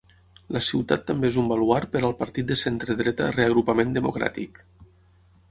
La ciutat també és un baluard per al partit de centre-dreta Reagrupament Democràtic.